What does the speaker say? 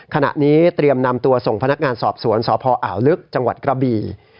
ขณะนี้เตรียมนำตัวส่งพนักงานสอบสวนสพอ่าวลึกจังหวัดกระบี่